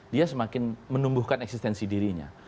dia semakin menumbuhkan eksistensi dirinya